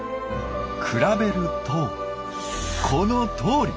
比べるとこのとおり！